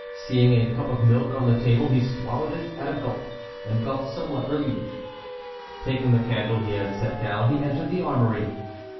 Seeing a cup of milk on the table, he swallowed it at a gulp, and felt somewhat relieved. Taking the candle he had set down, he entered the armory.